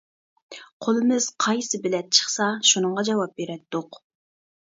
قولىمىز قايسى بىلەت چىقسا شۇنىڭغا جاۋاب بېرەتتۇق.